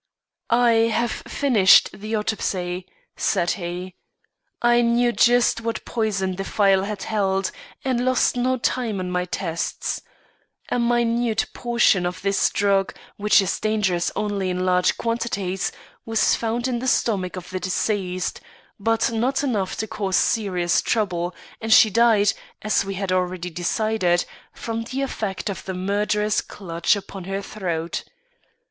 "I have finished the autopsy," said he. "I knew just what poison the phial had held, and lost no time in my tests. A minute portion of this drug, which is dangerous only in large quantities, was found in the stomach of the deceased; but not enough to cause serious trouble, and she died, as we had already decided, from the effect of the murderous clutch upon her throat.